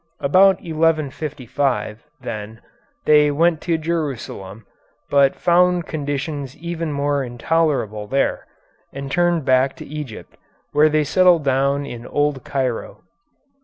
About 1155, then, they went to Jerusalem, but found conditions even more intolerable there, and turned back to Egypt, where they settled down in Old Cairo.